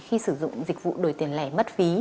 khi sử dụng dịch vụ đổi tiền lẻ mất phí